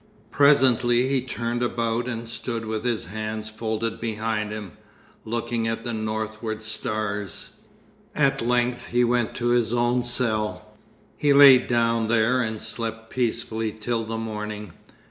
Presently he turned about and stood with his hands folded behind him, looking at the northward stars.... At length he went to his own cell. He lay down there and slept peacefully till the morning.